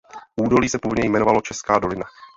Údolí se původně jmenovalo "Česká dolina".